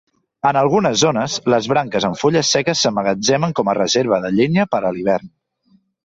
En algunes zones, les branques amb fulles seques s'emmagatzemen com a reserva de llenya per a l'hivern.